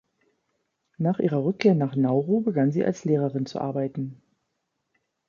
Nach ihrer Rückkehr nach Nauru begann sie als Lehrerin zu arbeiten.